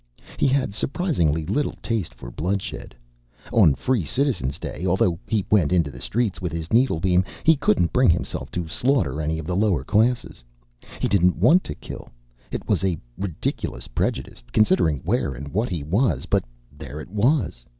He had surprisingly little taste for bloodshed. On Free Citizen's Day, although he went into the streets with his needlebeam, he couldn't bring himself to slaughter any of the lower classes. He didn't want to kill. It was a ridiculous prejudice, considering where and what he was; but there it was.